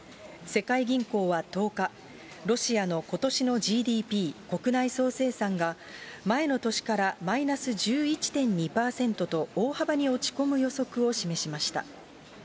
世界銀行は１０日、ロシアのことしのＧＤＰ・国内総生産が、前の年からマイナス１１．２％と、大幅に落ち込む予測を示しました。